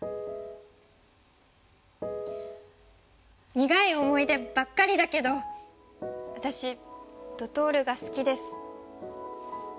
苦い思い出ばっかりだけど私ドトールが好きです。